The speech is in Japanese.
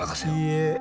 いいえ。